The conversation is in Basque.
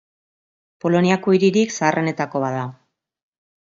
Poloniako hiririk zaharrenetako bat da.